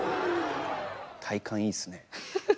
体幹いいっすね。